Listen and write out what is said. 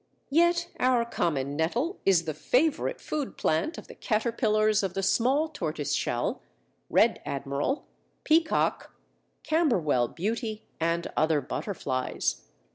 _ Yet our common nettle is the favourite food plant of the caterpillars of the Small Tortoiseshell, Red Admiral, Peacock, Camberwell Beauty, and other butterflies.